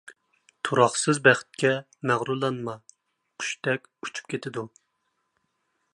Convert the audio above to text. تۇراقسىز بەختكە مەغرۇرلانما قۇشتەك ئۇچۇپ كېتىدۇ.